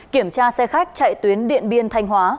kiểm tra xe khách chạy tuyến điện biên thanh hóa